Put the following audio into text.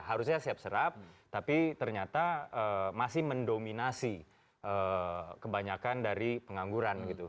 harusnya siap serap tapi ternyata masih mendominasi kebanyakan dari pengangguran